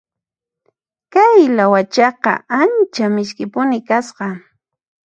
Kay lawachaqa ancha misk'ipuni kasqa.